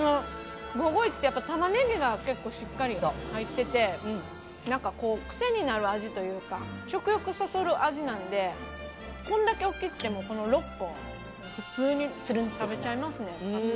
５５１ってタマネギがしっかり入ってて癖になる味というか食欲をそそる味なのでこれだけ大きくても６個普通に食べちゃいますね。